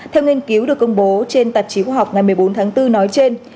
theo nghiên cứu được công bố trên tạp chí khoa học ngày một mươi bốn tháng bốn nói trên